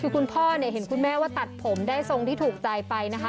คือคุณพ่อเนี่ยเห็นคุณแม่ว่าตัดผมได้ทรงที่ถูกใจไปนะคะ